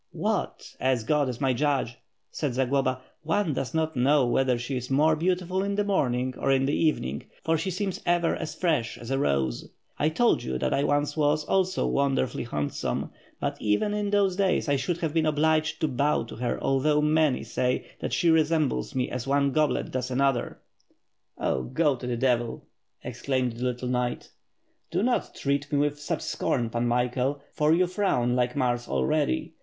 "What! As God is my judge," said Zagloba, "one does not know whether she is more beautiful in the morning or in the evening, for she seems ever as fresh as a rose. I told you that I once was also wonderfully handsome, but even in those days, I should have been obliged to bow to her although many say that she resembles me as one goblet does another." 566 WITH FIRE AND SWORD. "Oh, go to the devil!" exclaimed the little kndght. "Do not treat me with such scorn, Pan Michael, for you frown like Mars already.